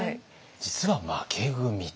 実は負け組と。